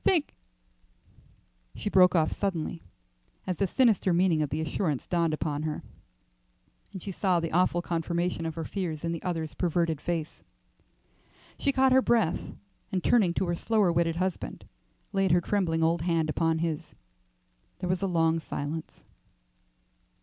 Thank " She broke off suddenly as the sinister meaning of the assurance dawned upon her and she saw the awful confirmation of her fears in the other's averted face. She caught her breath, and turning to her slower witted husband, laid her trembling old hand upon his. There was a long silence.